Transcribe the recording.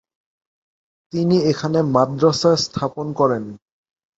তিনি এখানে মাদ্রাসা স্থাপনা করেন।